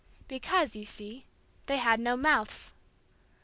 Because, you see, they had no mouths.